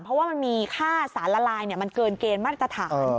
เพราะว่ามันมีค่าสารละลายมันเกินเกณฑ์มาตรฐาน